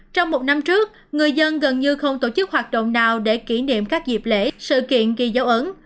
trong một năm trước người dân gần như không tổ chức hoạt động nào để kỷ niệm các dịp lễ sự kiện ghi dấu ấn